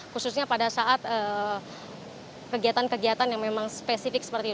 khususnya pada saat kegiatan kegiatan yang memang spesifik seperti itu